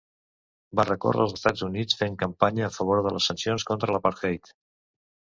Va recórrer els Estats Units fent campanya a favor de les sancions contra l'apartheid.